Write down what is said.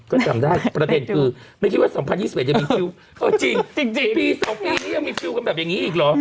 โอ้ยจริงปีสองปีนี้ยังมีฟิลกันแบบอย่างงี้อีกหรอ